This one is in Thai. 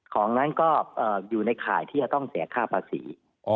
ของนั้นก็อยู่ในข่ายที่จะต้องเสียค่าภาษี